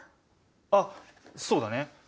あっそうだね。